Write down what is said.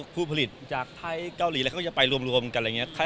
ผู้ผลิตจากไทยเกาหลีอะไรเขาจะไปรวมกันอะไรอย่างนี้